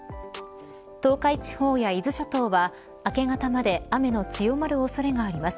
東海地方や伊豆諸島は明け方まで雨の強まる恐れがあります。